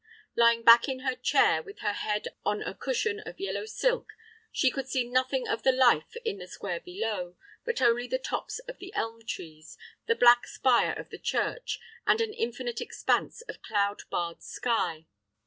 Lying back in her chair, with her head on a cushion of yellow silk, she could see nothing of the life in the square below, but only the tops of the elm trees, the black spire of the church, and an infinite expanse of cloud barred sky.